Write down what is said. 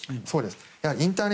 そうです。